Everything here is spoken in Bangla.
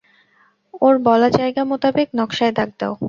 ওর বলা জায়গা মোতাবেক নকশায় দাগ দাও।